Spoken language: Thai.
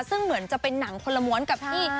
ซึ่งเหมือนจะเป็นหนังคนละม้วนกับที่